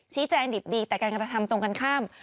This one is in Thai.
ชี้แจงดิบดีแต่การกระทำตรงกันข้าม